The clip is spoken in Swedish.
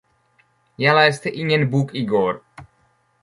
Jag läste ingen bok igår.